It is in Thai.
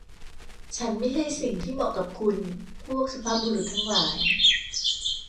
ฉันไม่ใช่สิ่งที่เหมาะกับคุณ พวกสุภาพบุรุษทั้งหลาย